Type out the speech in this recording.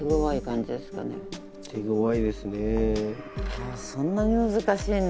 あっそんなに難しいんだ。